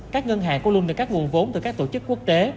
các ngân hàng cũng luôn được các nguồn vốn từ các tổ chức quốc tế